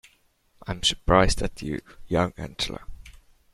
I'm surprised at you, young Angela.